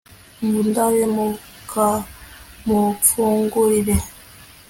ng'undabe mukam'umfungurire